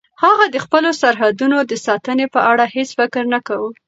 هغه د خپلو سرحدونو د ساتنې په اړه هیڅ فکر نه کاوه.